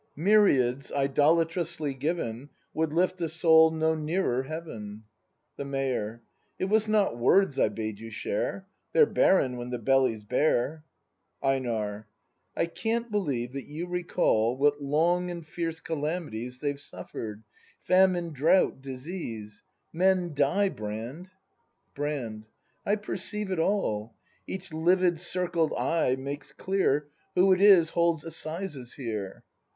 Myriads, idolatrously given, Would lift the soul no nearer heaven. The Mayor. It was not words I bade you share: They're barren when the belly's bare. Einar. I can't believe that you recall What long and fierce calamities They've suffered: — famine, drought, disease. Men die. Brand ACT II] BRAND 59 Brand. I perceive it all. Each livid circled eye makes clear Who it is holds assizes here.